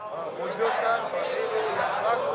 mewujudkan pemilu yang langsung